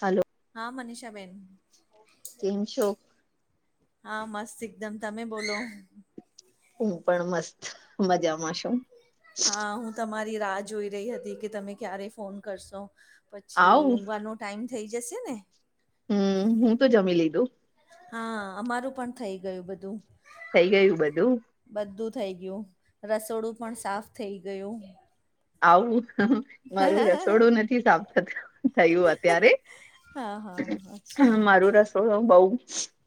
હાલો. હા મનીષાબેન. કેમ છો હા મસ્ત એકદમ તમે બોલો. હું પણ મસ્ત મજામાં છું. હા, હું તમારી રા જોઈ રહી હતી કે તમે ક્યારે ફોન કરશો. પછી આવું ઊંઘવાનો ટાઈમ થઈ જશે ને. હમ હું તો જમી લીધું. હા અમારું પણ થઇ ગયું બધું. થઈ ગયું બધું. બધું થઈ ગયું, રસોડું પણ સાફ થઈ ગયું. આવું મારું રસોડું નથી સાફ થતું થયું અત્યારે. હા હા અચ્છા. થોડું ઓમ બઉ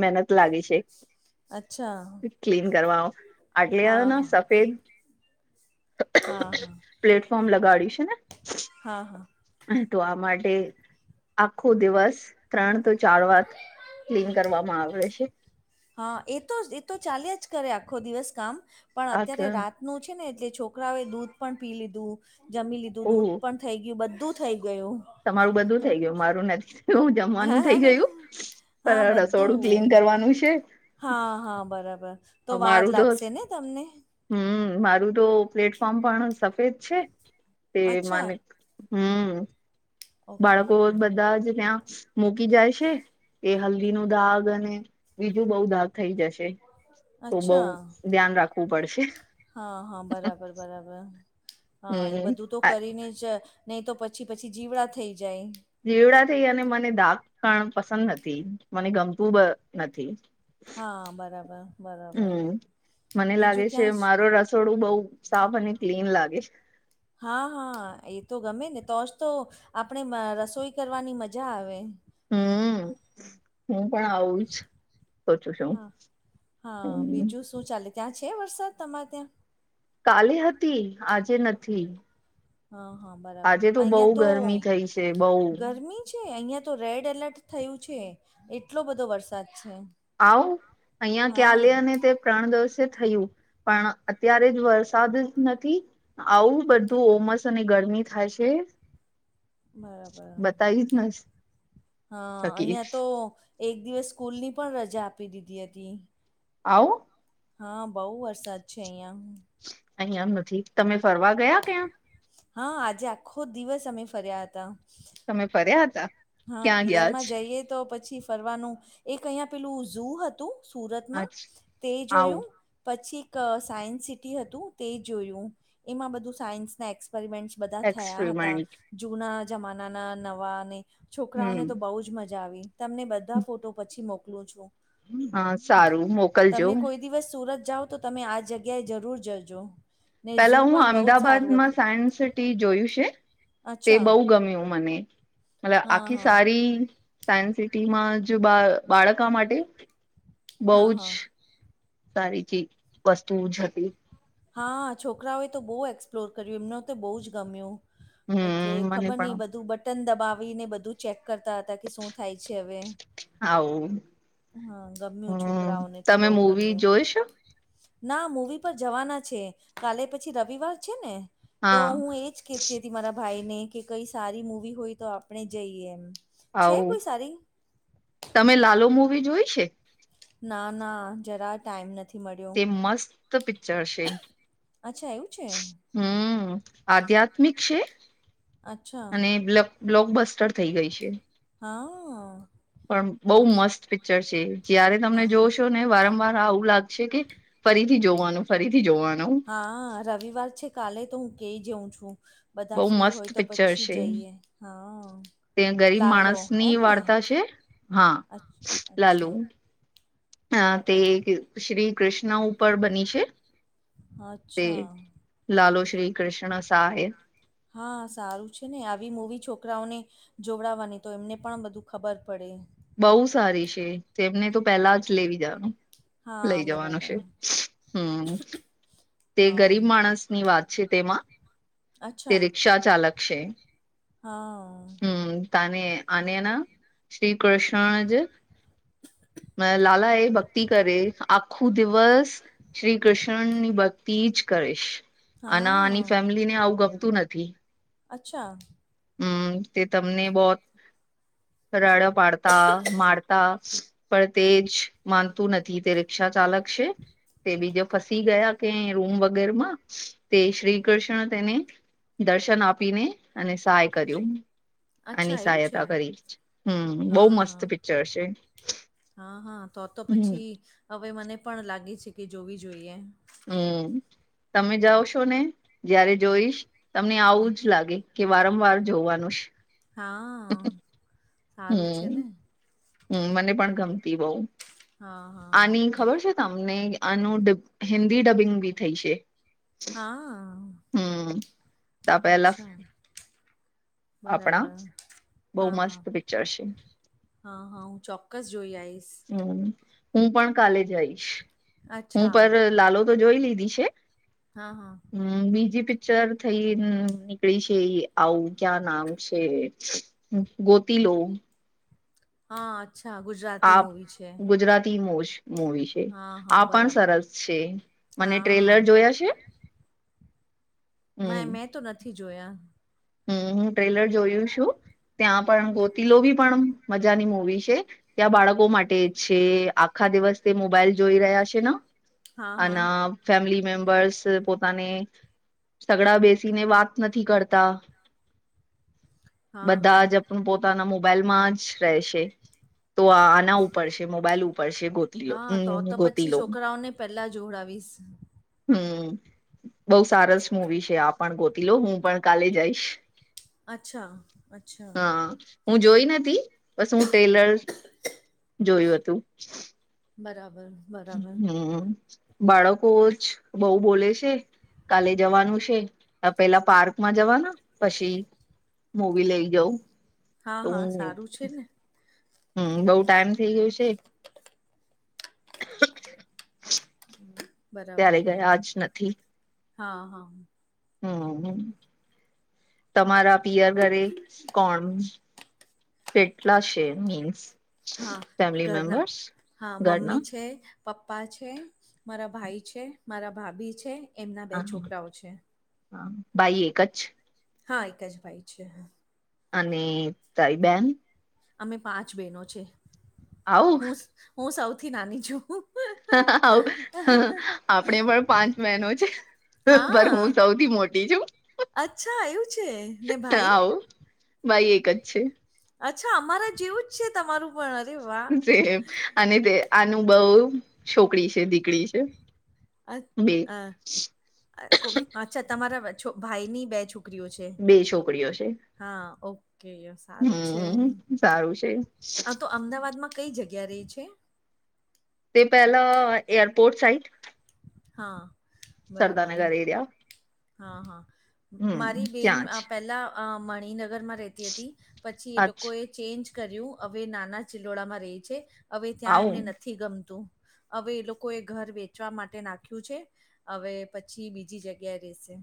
મહેનત લાગી છે. અચ્છા ક્લીન કરવા, આટલે હા હન હા સફેદ હા હા. પ્લેટફોર્મ લગાડ્યું છે ને. હા હા. હા તો આ માટે, આખો દિવસ ત્રણ તો ચાર વાર ક્લીન કરવામાં આવે છે. હા એ તો જ એ તો ચાલ્યા જ કરે આખો દિવસ કામ, પણ આ અત્યારે રાત નું છે ને એટલે છોકરાઓ એ દૂધ પણ પી લીધું, જમી લીધું ઓહ દૂધ પણ થઈ ગયું બધું થઈ ગયું. તમારું બધું તો. થઇ ગયું મારું નથી થયું હા જમવાનું થઇ હા હા ગયું. હા હા પણ રસોડું બધું ક્લીન કરવાનું છે. હા હા બરાબર. વાર મારું તો, લાગશે ને તમને હમ્મ મારું તો પ્લેટફોર્મ પણ સફ દ છે, તે અચ્છા માને હમ્મ. બાળકો ઓકે બધા જ ત્યાં મૂકી જાય છે, એ હલ્દી નું દાગ અને બીજું બઉ દાગ થઈ જશ. શે, તો બઉ અચ્છા ધ્યાન રાખવું પડશે. હા હા બરાબર બરાબર, હા એ હમ બધું તો કરીને જ નહીં તો પછી પછી જીવડા થઈ જાય. જીવડા થઈ અને મને દાગ પણ પસંદ નથી. મને ગમતું બ નથી. હા બરાબર-બરાબર. હમ બીજું ક્યાં છ થોડું બહુ સાફ અને ક્લીન લાગે. હા, હા એ તો ગમે ને. તો જ તો આપણે મ રસોઈ કરવાની મજા આવે. હમ્મ. હું પણ આવું જ સોચું છું. હા હા. હમ બીજું શું ચાલે? ત્યાં છે વરસાદ તમારે ત્યાં? કાલે હતી, આજે નથી. હા, હા બરાબર. આજે બહુ અહિયાં તો ગરમી થઈ છે બહુ ગરમી છે, અહિયાં તો રેડ એલર્ટ થયું છે. એટલો બધો વરસાદ છે. આવું? અહીયાં હા ક્યાલે અને તે ત્રણ દિવસે થયું. પણ અત્યારે જ વરસાદ જ નથી. આવું બધું ઓમસ અને ગરમી થાય છે. બરાબર બતાઈ જ [unintelligible] હા. શકી અહિયાં તો એક દિવસ સ્કૂલની પણ રજા આપી દીધી હતી. આવું? હા બહુ વરસાદ છે અહિયાં. અહીંયા આમ નથી. તમે ફરવા ગયા કે? હા, આજે આખો દિવસ અમે ફર્યા હતા. તમે ફર્યા હતા? હા. ક્યાં પિયર ગયા માં જ જઈએ તો પછી ફરવાનું, એક અહીંયા પેલું ઝુ હતું સુરતમાં, આજ તે આવું જોયું. પછી એક સાયન્સ સિટી હતું તે જોયું. એમાં બધું સાયન્સ ના એક્સપેરિમેન્ટ્સ બધા થયા હતા. એક્સપેરિમેન્ટ જૂના જમાનાના, નવાને, છોકરાઓને હમ તો બહુ જ મજા આવી. તમને બધા ફોટો પછી મોકલું છું. હા સારું મોકલજો. તમે કોઈ દિવસ સુરત જાઓ તો તમે આ જગ્યાએ જરૂર જજો. ને પેલા ઝૂ હું પણ બહુ જ સારું અમદાવાાદમાં હતું સાયન્સ સિટ ટી જોયું છે. તે અચ્છા બહુ ગમ્યું મને. મતલબ હા આખી હા સારી સાયન્સ સિટીમાં જ બા બાળકા માટે બહુ હા જ હા સારી [unintelligible] વસ્તુ જ હતી. હા છોકરાઓએ તો બહુ એક્સપ્લોર કર્યું, એમને તો બહુ જ ગમ્યું. એટલે હમ મને ખબર પણ નહીં બધું બટન દબાવીને બધું ચેક કરતા હતા કે શું થાય છે હવે. હાવ. હા. ગમ્યું છોકરાઓને તો તમે બહુ મૂવી ગમ્યું. જોઈ છો ના મૂવી પર જવાના છે. કાલે પછી રવિવાર છે ને, તો હા હું એજ કેત તેથી મારા ભાઈ ને કે કંઈ સારી મુવી હોય તો આપણે જઈએ એમ. છે હાવ. કોઈ સારી તમે લાલો મૂવી જોઈ છે? ના, ના. જરા ટાઈમ નથ તે મસ્ત પિક્ચર છે. અચ્છા એવું છે હમ્મ. આધ્યાત્મિક છે. અચ્છા અને [unintelligible] બ્લોક બસ્ટર થઇ ગઈ છે. હા. પણ બહુ તો મસ્ત પિક્ચર છે જયારે તમને હા જોશો ને વારંવાર આવું લાગશે કે ફરીથી જોવાનું ફરીથી જોવાનું હા રવિવાર છે કાલે તો હું કેઈ જઉં છું બધા બહુ ફ્રી હોય મસ્ત તો પછી જઈએ હા ત્યા ગરીબ લાલો માણસ ની એમ ને વાર્તા છે હા અચ્છ- લાલો અચ્છા અ તે બરાબર શ્રી કૃષ્ણ ઉપર બની છે. તે અચ્છા લાલો શ્રી કૃષ્ણ સાહે હા સારું છે ને આવી મૂવી છોકરાઓને જોડાાવવાની તો એમને પણ બધું ખબર પડે બહુ સારી છે તેમને તો પેલા જ લેવી જાનું લઈ હા જવાનું બરાબર છે હમ્મ તે હા ગરીબ માણસની વાત છે તેમાં તે અચ્છા રિક્ષા ચાલક છે હા હમ્મ તાને આને એના શ્રી કૃષ્ણ જ અ લાલા એ ભક્તિ કરે આખો દિવસ શ્રી કૃષ્ણની ભક્તિ જ કરીશ. અને આની હા ફેમિલીને આવું ગમતું અચ્છા હમ્મ તે તમને બોહત રડો પાડતા મારતા પણ તે જ માનતું નથી તે રિક્ષા ચાલક છે. તે બીજા ફસી ગયા કે રૂમ વગેર માં તે શ્રી કૃષ્ણ તેને દર્શન આપીને અને સાય કર્યું અને અચ્છા એવું છે સહાયતા કરી હમ્મ બહ મસ્ત હા પિક્ચર છે. હા હા તો તો હમ પછી હવે મને પણ લાગે છે કે જોવી જોઈએ. હમ્મ તમે જાઓશો ને જયારે હા જોઈશ તમને હમ, આવું જ લાગે કે વારંવાર જોવાનું છે. હા [inaudible] હારું છે ને હમ્મ મને પણ હમ ગમતી બઉ હા હા આની ખબર છે તમને આનું હિન્દી ડબિંગ બી થઈ છે. હા હમ તો પેલા અચ્છા આપણા બરાબર બહુ હા મસ્ત હા પિક્ચર છે હા હા હું ચોક્કસ જોઈ આઈશ. હમ્મ હું પણ કાલે જઈશ હું અચ્છા પર લાલો તો જોઈ લીધી છે હા હા હમ્મ બીજી પિક્ચર થઈ નીકળી છે એ આવું ક્યાં નામ છે ગોતી લો હા અચ્છા ગુજરા આપ ગુજરાતી મો મોવી છે. હા હા આ પણ બરાબર સરસ છે મને હા ટ્રેલર જોયા છે. મે મેં તો નથી જોયા હમ્મ હું ટ્રેલર જોયું છું ત્યાં પણ ગોતિલો ભી પણ મજાની મુવી છે. ત્યાં બાળકો માટે છે આખા દિવસ તે મોબાઈલ જોઈ રહ્યા છે ન હા અન હા ફેમિલી મેમ્બર્સ પોતાને સગડા બેસીને વાત નથી કરતા. હા બધા હા જ પોતાના મોબાઈલમાં જ રહેશે, તો આ ના ઉપર છે મોબાઈલ ઉપર છે ગોતી લો હા તો હમ તો ગોતી પછી લો. છોકરાઓને પહેલાં જોડાવીશ હમ, બઉ સારસ મવી છે આપ પણ ગોતી લો હું પણ કાલે જઈશ. અચ્છા. અચ્છા હા, હું જોઈ નથી બસ હું ટેલર જોયું હતું. બરાબર. બરાબર હમ બાળકો જ બહ બોલે છે. કાલે જવાનું છે, પેલા પાર્કમાં જવાના પછી મુવી લઈ જાઉં. હા હા સારું છે ને. હમ બઉુ ટાઈમ થઇ ગયું છે. ત્યારે બરાબર, ગયા જ નથી હા હા. હમ તમારા પિયર ઘરે કોણ? કેટલા છે મીન્સ? હા ફેમિલી ઘરના, મેમ્બર્સ હા ઘરના મમ્મી છે. પપ્પા છે, મારા ભાઈ છે, મારા ભાભી છે એમના બે છોકરાઓ છે. હ બાઈ એક જ? હા એક જ ભાઈ છે હા. અને તાઈબહેન? અમે પાંચ બહેનો છે, આવું હું હું સૌથી નાની છું. હ આપણે પણ પાંચ મેહેનો છે. પર હા હું સૌથી મોટી છું. અચ્છા છે ને ભાઈ? ભઈ એક જ છે. અચ્છા અમારા જેવું. છે તમારું પણ. વાહ જેમ અને તે આનું બહ છોકરી છે દી. અ હ અચ્છા તમારા ભાઈની બે છોકરીઓ છે. બે છોકરીઓ છે. હા ઓકે સારું છે, હમ સારું છે આ તો અમદાવાદમાં કઈ જગ્યા રહી છે? તે પહેલા એરપોર્ટ સાઈટ. હા. સરદા બરાબર નગર એડ્યા. હા હા, મારી બેન ત્યાં જ પહેલાં અ મણિનગરમાં રહેતી હતી, પછી એ અચ્છા લોકોએ ચેન્જ કર્યું હવે નાના ચિલોડામાં રહી છે, હવે ત્યાં આવું એમને નથી ગમતું. હવે એ લોકો એ ઘર વેચવા માટે નાખ્યું છે, હવે પછી બીજી જગ્યાએ રેશે.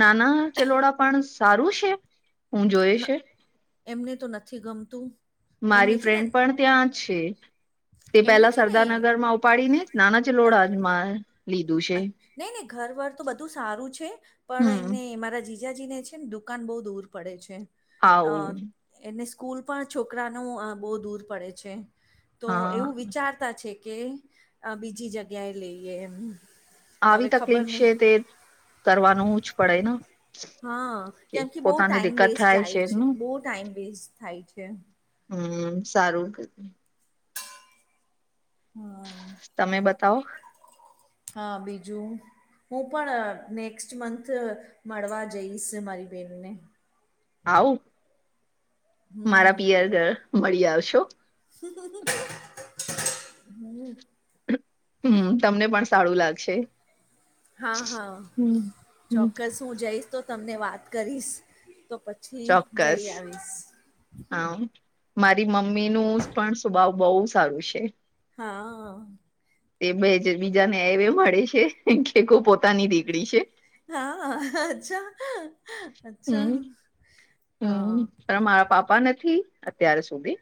નાના ચલોડા પણ સારું છે, હું જોઈ ન- છે. એમને તો નથી ગમતું. એમને મારી છે ને ફ્રેન્ડ પણ ત્યાં છે, તે એમને પેલા છે ને સરદારાનગરમાં ઉપાડી ને. નાના ચલોડાજ મા લીધું છે. નહી નહી ઘર વાર તો બધું સારું છે, પણ હમ એમને અમારા જિ જીજાજી ને છે ને દુકાન બહુ દૂર પડે છે અ આવું એને સ્કૂલ પણ છોકરાનું અ બહુ દૂર પડે છે, તો હા એવું વિચાર તા છે કે, અ બીજી જગ્યા એ લઈએ એમ. આવી હવે ખબર તકલીફ નહી છે તે, કરવાનુંજ પડે ન. હા, કેમકે બહુ ટાઈમ વેસ્ટ થાય જાય છે, એમનું બહુ ટાઈમ વેસ્ટ થાય છે. હમ્મ, સારું. હા. તમે બતાવો. હા, બીજું. હું પણ નેક્સ્ટ મંથ મળવા જઈશ મારી બેહેનને. આવું, હમ મારા પિયર મળી આવશો. હમ્મ. હમ્મ, તમને પણ સારું લાગશે. હા હા, હમ હમ ચોક્કસ, હું જઈશ તો તમને વાત કરીશ, તો પ ચોક્કસ. હા, મારી મમ્મી નું પણ સ્વભાવ બહુ સારું છે. હા. એ બે જે બીજા ને એવી મળી છે, કે કો પોતાની દીકડી છે. હા, અચ્છા, અચ્છા, હમ હમ હા. પણ મારા પાપા નથી અત્યાર સુધી.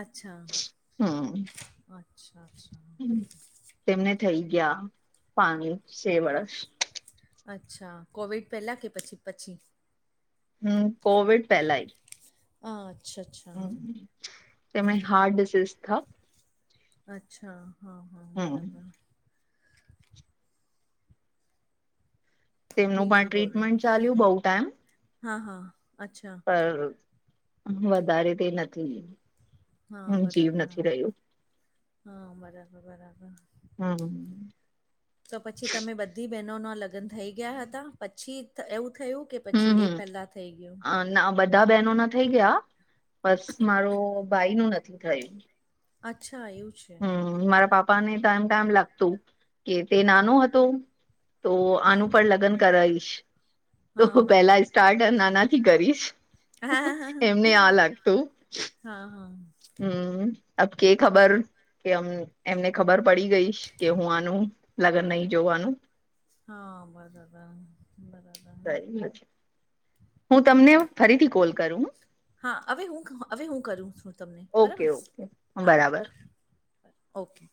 અચ્છા, હમ અચ્છા અચ્છા. તેમને થઇ ગયા પાણી છે વર્ષ. અચ્છા, કોવિડ પહેલાં કે પછી પછી. હમ્મ, કોવિડ પહેલાય. હા, અચ્છા અચ્છા. તેમણે હાર્ટ ડિઝઝ થ અચ્છા, હા હા હમ બરાબર. તેમનું પણ બીજું બોલો ટ્રીટમેન્ટ ચાલ્યું બહુ ટાઈમ. હા હા, અચ્છા. પર, વધારે તે નથી, હા હમ્મ જીવ બરાબર નથી રહ્યું. હા, બરાબર બરાબર. હમ્મ. તો પછી તમે બધી બહેનોના લગ્ન થઈ ગયા હતા? પછી એવું થયું? કે પછી હમ એ હમ પેલા થઈ ગયું? ના બધા બહેનો ના થઈ ગયા, બસ મારો ભાઈ નુ નથી થઇ. અચ્છા એવું છે. હમ હમ્મ, મારા પાપા ને ટાઈમ ટાઈમ લાગતું કે તે નાનુ હતો, તો હા આનું પણ લગ્ન કરાઈશ. તો હા હું પેલા બરાબર સ્ટાર્ટર નાના થી કરીશ, હા હા એમને આ લાગતું. હા હા. હમ્મ, અબ કે ખબર કે અમ એમને ખબર પડી ગઈશ, કે હું આનું લગન નહી જોવાનું. હા [unintelligible] બરાબર. હું તમને હુ ફરીથી કોલ કરું. હા હવે હું, હવે હું કરું છું તમને, ઓકે બરાબર ઓકે હા. બરાબર ઓકે.